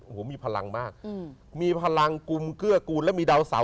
โอ้โหมีพลังมากอืมมีพลังกุมเกื้อกูลและมีดาวเสา